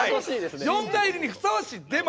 四大入りにふさわしいデマを！